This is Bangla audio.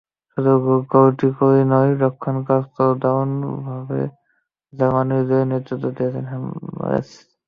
শুধু গোলটি করেই নয়, রক্ষণকাজও দারুণভাবে সামলে জার্মানির জয়ে নেতৃত্ব দিয়েছেন হামেলস।